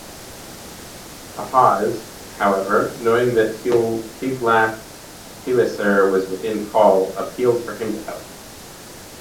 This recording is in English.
Ahaz, however, knowing that Tiglath-pileser was within call, appealed to him for help.